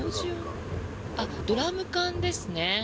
ドラム缶ですね。